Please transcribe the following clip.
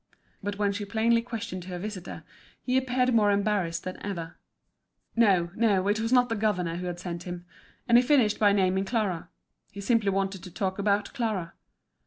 But when she plainly questioned her visitor, he appeared more embarrassed than ever. No, no, it was not the governor who had sent him; and he finished by naming Clara—he simply wanted to talk about Clara.